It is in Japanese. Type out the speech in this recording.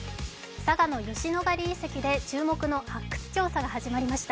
佐賀の吉野ヶ里遺跡で注目の発掘調査が始まりました。